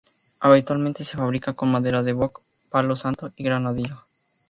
Habitualmente se fabrica con madera de boj, palo santo y granadillo.